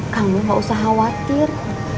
kamu gak usah khawatir